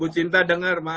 bu cinta dengar maaf